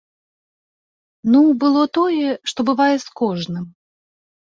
Ну, было тое, што бывае з кожным.